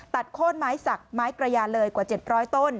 โค้นไม้สักไม้กระยาเลยกว่า๗๐๐ต้น